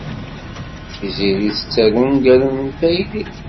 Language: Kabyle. Tiziri tettaru ungalen n tayri.